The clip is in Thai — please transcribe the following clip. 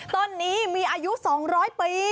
ต้นนี้มีอายุ๒๐๐ปี